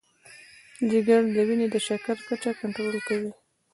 جگر د وینې د شکر کچه کنټرول کوي.